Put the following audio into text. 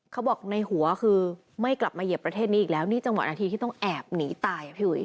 เขาบอกในหัวคือไม่กลับมาเหยียบประเทศนี้อีกแล้วนี่จังหวะนาทีที่ต้องแอบหนีตายอ่ะพี่อุ๋ย